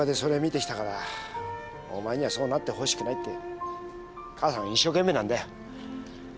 お前にはそうなってほしくないって母さんも一生懸命なんだよ。